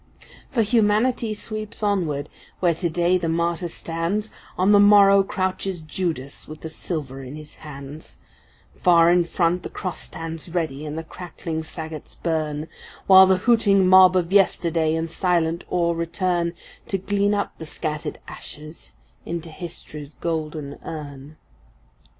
For Humanity sweeps onward: where to day the martyr stands, On the morrow crouches Judas with the silver in his hands; Far in front the cross stands ready and the crackling fagots burn, While the hooting mob of yesterday in silent awe return To glean up the scattered ashes into History’s golden urn.